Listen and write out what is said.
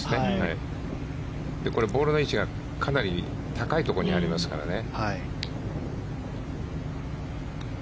これボールの位置がかなり高いところにありますからね。